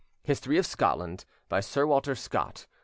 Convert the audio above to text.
["History of Scotland, by Sir Walter Scott.